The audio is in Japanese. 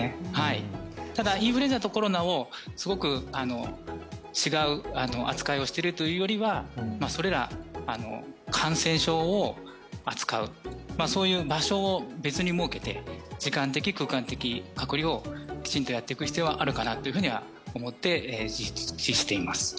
ただ、インフルエンザとコロナをすごく違う扱いをしているというよりは、それら感染症を扱う、そういう場所を別に設けて、時間的・空間的隔離をきちんとやっていく必要があるかなと思って実施しています。